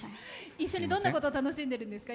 一緒にどんなことを楽しんでるんですか？